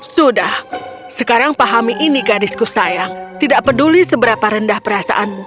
sudah sekarang pahami ini gadisku saya tidak peduli seberapa rendah perasaanmu